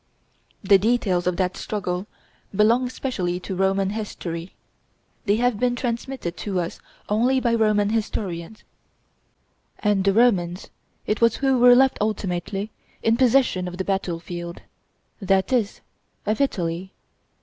The details of that struggle belong specially to Roman history; they have been transmitted to us only by Roman historians; and the Romans it was who were left ultimately in possession of the battle field, that is, of Italy.